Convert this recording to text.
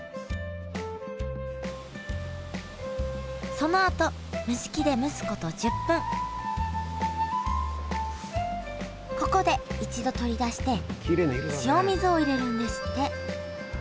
そのあと蒸し器で蒸すこと１０分ここで一度取り出して塩水を入れるんですって。